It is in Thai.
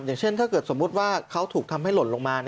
อย่างเช่นถ้าเกิดสมมุติว่าเขาถูกทำให้หล่นลงมา